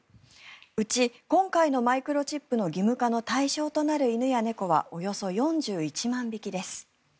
うち、今回のマイクロチップの義務化の対象となる犬や猫はおよそ４１万匹です。